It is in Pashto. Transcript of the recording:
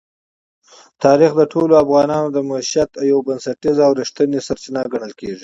تاریخ د ټولو افغانانو د معیشت یوه بنسټیزه او رښتینې سرچینه ګڼل کېږي.